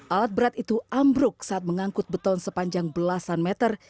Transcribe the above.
alat berat itu ambruk saat mengangkut beton sepanjang belasan meter